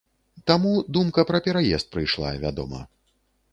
Таму думка пра пераезд прыйшла, вядома.